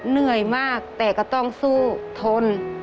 เหนื่อยมากแต่ก็ต้องสู้ทน